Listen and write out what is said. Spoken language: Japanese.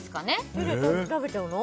手で食べちゃうの？